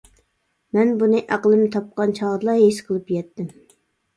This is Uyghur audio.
مەن بۇنى ئەقلىمنى تاپقان چاغدىلا ھېس قىلىپ يەتتىم.